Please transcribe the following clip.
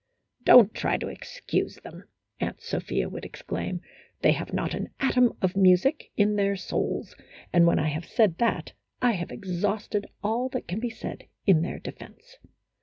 " Don't try to excuse them," Aunt Sophia would exclaim, " they have not an atom of music in their souls, and, when I have said that, I have exhausted all that can be said in their defense."